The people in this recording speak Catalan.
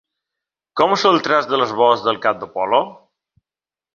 Com és el traç de l'esbós del cap d'Apol·lo?